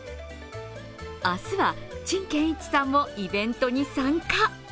明日は、陳建一さんもイベントに参加。